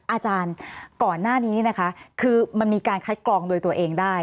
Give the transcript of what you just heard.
อาจารย์ก่อนหน้านี้นะคะคือมันมีการคัดกรองโดยตัวเองได้